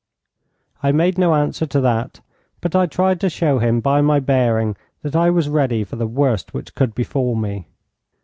I made no answer to that, but I tried to show him by my bearing that I was ready for the worst which could befall me.